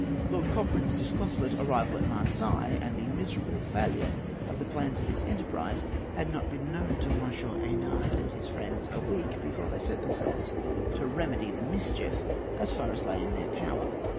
Lord Cochrane's disconsolate arrival at Marseilles, and the miserable failure of the plans for his enterprise, had not been known to M. Eynard and his friends a week, before they set themselves to remedy the mischief as far as lay in their power.